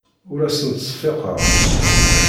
Ur asen-ttseffiqeɣ.